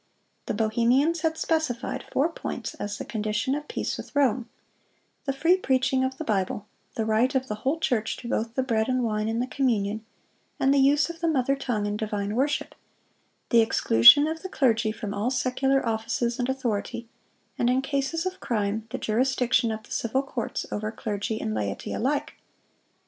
The Bohemians had specified four points as the condition of peace with Rome: The free preaching of the Bible; the right of the whole church to both the bread and the wine in the communion, and the use of the mother tongue in divine worship; the exclusion of the clergy from all secular offices and authority; and in cases of crime, the jurisdiction of the civil courts over clergy and laity alike.